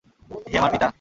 হে আমার পিতা!